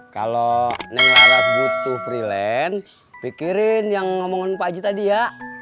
kalau neng harus butuh freelance pikirin yang ngomongin pak aji tadi ya